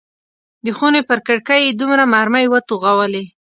د خونې پر کړکۍ یې دوه مرمۍ وتوغولې.